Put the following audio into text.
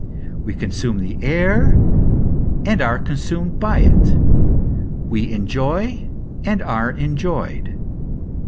We consume the air, and are consumed by it; we enjoy, and are enjoyed.